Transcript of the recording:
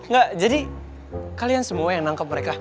nggak jadi kalian semua yang nangkep mereka